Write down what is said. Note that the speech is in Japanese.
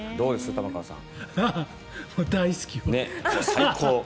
玉川さん。